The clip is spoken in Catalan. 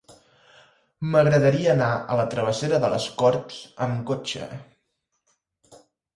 M'agradaria anar a la travessera de les Corts amb cotxe.